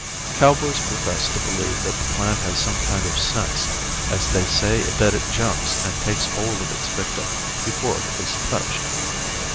Cowboys profess to believe that the plant has some kind of sense as they say that it jumps and takes hold of its victim before it is touched.